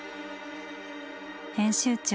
編集長